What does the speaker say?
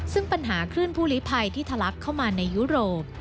ซึ่งปัญหาคลื่นผู้ลิภัยที่ทะลักเข้ามาในยุโรป